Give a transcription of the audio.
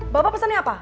bapak pesannya apa